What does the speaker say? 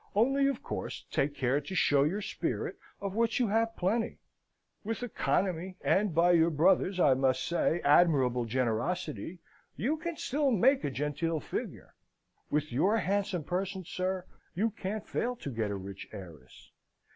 Only of course take care to show your spirit, of which you have plenty. With economy, and by your brother's, I must say, admirable generosity, you can still make a genteel figure. With your handsome person, sir, you can't fail to get a rich heiress.